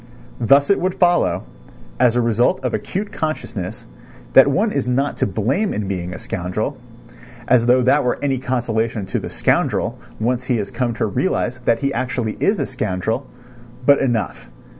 Thus it would follow, as the result of acute consciousness, that one is not to blame in being a scoundrel; as though that were any consolation to the scoundrel once he has come to realise that he actually is a scoundrel. But enough....